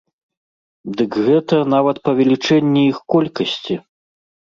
Дык гэта нават павелічэнне іх колькасці!